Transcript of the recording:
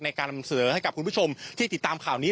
นำเสนอให้กับคุณผู้ชมที่ติดตามข่าวนี้